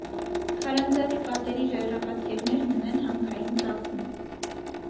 Քարանձավի պատերի ժայռապատկերներն ունեն հանքային ծագում։